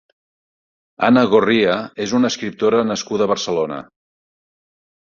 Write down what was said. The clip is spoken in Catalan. Ana Gorría és una escriptora nascuda a Barcelona.